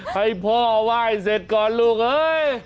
ให้พ่อไหว้เสร็จก่อนลูกนะครับ